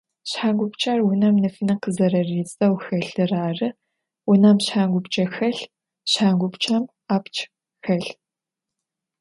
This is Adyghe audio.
Шъхьангъупчъэр унэм нэфынэ къызэрэридзэу хэлъыр ары, унэм шъхьангъупчъэ хэлъ, шъхьангъупчъэм апч хэлъ